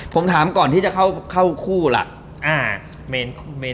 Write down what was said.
ผมถามก่อนที่จะเข้าคู่ล่ะ